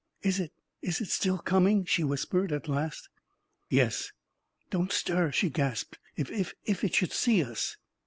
44 Is it — is it still coming?" she whispered, at last. 44 Yes." 44 Don't stir! " she gasped. 44 If it — if it should see us